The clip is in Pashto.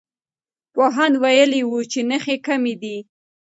پوهاند ویلي وو چې نښې کمي دي.